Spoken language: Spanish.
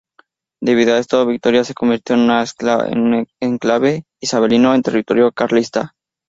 Debido a esto, Vitoria se convirtió en un enclave isabelino en territorio carlista.